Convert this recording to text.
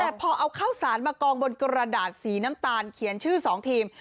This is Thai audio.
แต่พอเอาข้าวสารมากองบนกระดาษสีน้ำตาลเขียนชื่อ๒ทีม